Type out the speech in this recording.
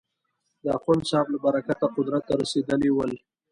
د اخوندصاحب له برکته قدرت ته رسېدلي ول.